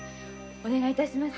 お願い致します。